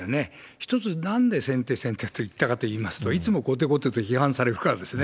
一つ、なんで先手先手と言ったかといいますと、いつも後手後手と批判されるからですね。